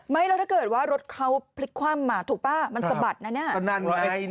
แล้วถ้าเกิดว่ารถเขาพลิกคว่ำมาถูกป่ะมันสะบัดนะเนี่ยก็นั่นไง